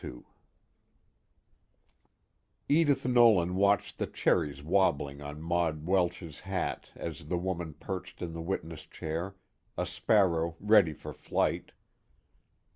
_ II Edith Nolan watched the cherries wobbling on Maud Welsh's hat as the woman perched in the witness chair, a sparrow ready for flight.